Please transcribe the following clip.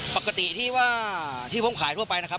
ปกติที่ผมขายให้ทั่วไปนะครับ